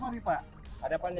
dua kita mulai gini